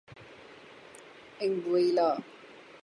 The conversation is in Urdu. انگوئیلا